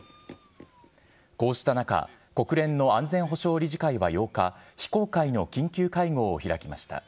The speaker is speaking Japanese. こうした中、国連の安全保障理事会は８日、非公開の緊急会合を開きました。